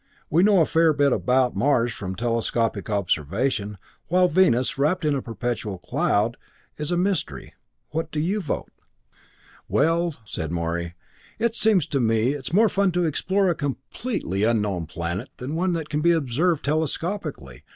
We know a fair bit about Mars from telescopic observation, while Venus, wrapped in perpetual cloud, is a mystery. What do you vote?" "Well," said Morey, "it seems to me it's more fun to explore a completely unknown planet than one that can be observed telescopically.